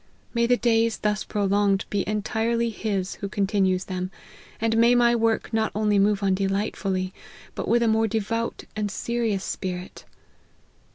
May the days thus prolonged be entirely His who continues them ! and may my work not only move on delightfully, but with a more devout and serious spirit